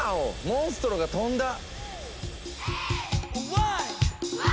モンストロが飛んだ！